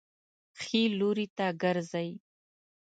ښي لوري ته ګرځئ